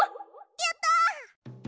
やった！